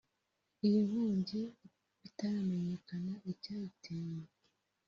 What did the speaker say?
Iyi nkongi bitaramenyekana icyayiteye